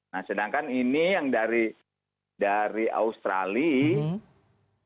nah sedangkan ini yang dari australia